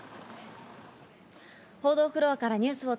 報道フロアからニュースをお